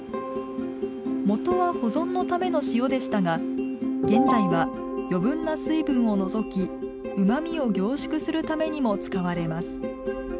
もとは保存のための塩でしたが現在は余分な水分を除きうまみを凝縮するためにも使われます。